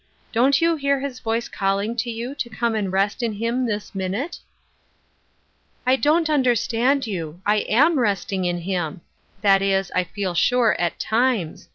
Don't you hear his voice calling to you to come and re 8t in him this minute ?" "I don't understand you. I am resting in liim. That is, I feel sure at times.